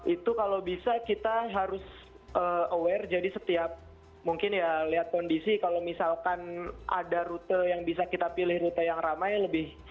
itu kalau bisa kita harus aware jadi setiap mungkin ya lihat kondisi kalau misalkan ada rute yang bisa kita pilih rute yang ramai lebih